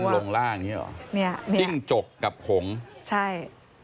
โดยมันลงล่างเนี้ยอ๋อเนี้ยเนี้ยจิ้งจกกับหงใช่